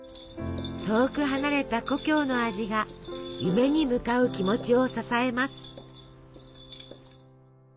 遠く離れた故郷の味が夢に向かう気持ちを支えます。